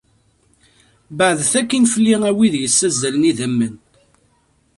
Beɛdet akkin fell-i a wid yessazzalen idammen!